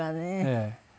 ええ。